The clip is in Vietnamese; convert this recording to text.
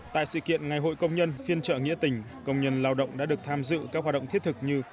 tại sự kiện ngày hội công nhân phiên trợ nghĩa tình công nhân lao động đã được tham dự các hoạt động thiết thực như